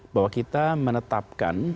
bahwa kita menetapkan